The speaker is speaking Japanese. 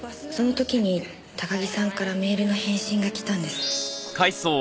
その時に高木さんからメールの返信が来たんです。